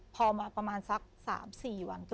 พอมาประมาณสัก๓๔วัน